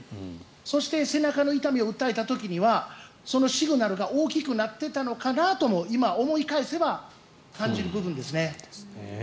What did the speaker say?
そして背中の痛みを訴えた時にはそのシグナルが大きくなってたのかなとも今思い返せば感じる部分ですね。